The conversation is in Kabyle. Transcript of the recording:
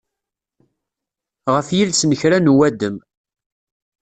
Ɣef yiles n kra n uwadem.